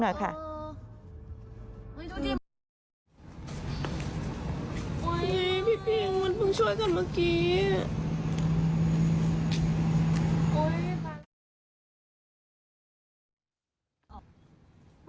พี่ปิงมันเพิ่งช่วยกันเมื่อกี้